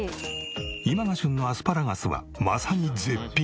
今が旬のアスパラガスはまさに絶品。